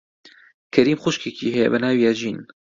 کەریم خوشکێکی هەیە بە ناوی ئەژین.